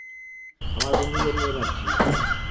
আমার বন্ধুদের নিয়ে ভাবছি।